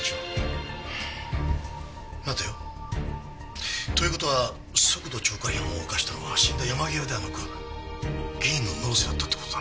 待てよ。という事は速度超過違反を犯したのは死んだ山際ではなく議員の野呂瀬だったって事だな。